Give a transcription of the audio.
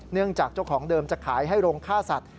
เนื่องจากเจ้าของเดิมจะขายให้โรงฆ่าสัตว์